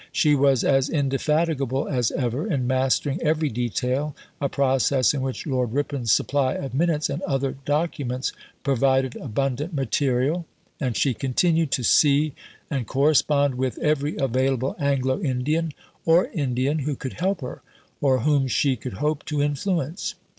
She was as indefatigable as ever in mastering every detail, a process in which Lord Ripon's supply of Minutes and other documents provided abundant material, and she continued to see and correspond with every available Anglo Indian or Indian who could help her, or whom she could hope to influence.